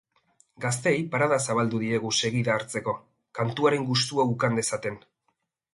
Gazteei parada zabaldu diegu segida hartzeko, kantuaren gustua ukan dezaten.